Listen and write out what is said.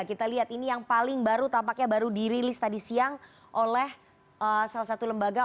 kita lihat ini yang paling baru tampaknya baru dirilis tadi siang oleh salah satu lembaga